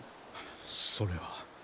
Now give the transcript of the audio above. それは。